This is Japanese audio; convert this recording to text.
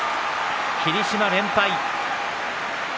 霧島連敗。